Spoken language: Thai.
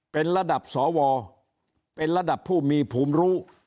เป็นระดับสวเป็นระดับผู้มีภูมิรู้